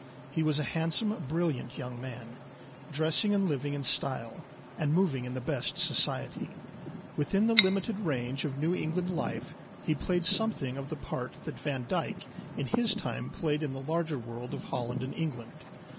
He was a handsome, brilliant young man, dressing and living in style, and moving in the best society. Within the limited range of New England life he played something of the part that Van Dyck in his time played in the larger world of Holland and England.